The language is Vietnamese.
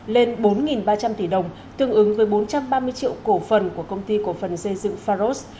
lên bốn ba trăm linh tỷ đồng tương ứng với bốn trăm ba mươi triệu cổ phần của công ty cổ phần xây dựng pharos